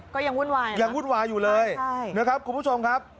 ก็ยังวุ่นวายนะครับใช่นะครับคุณผู้ชมครับ